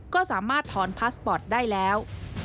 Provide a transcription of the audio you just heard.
ก็สามารถถอนพาสปอร์ตได้แล้ว